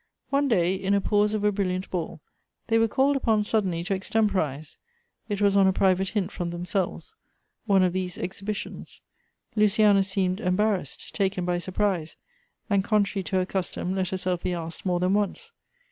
One day, in a pause of a brilliant ball, they were called upon suddenly to extemporize (it was on a private hint from themselves) one of these exhibitions. Luciana seemed embarrassed, taken by surprise, and contrary to her custom let herself be asked more than once.